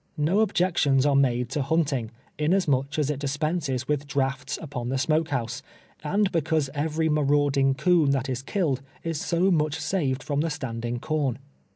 Xo objections are made to hunting, inasmuch as it dis penses with drafts upon the smoke house, and because every marauding coon that is killed is so much saved from the standing corn.